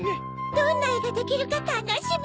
どんなえができるかたのしみ！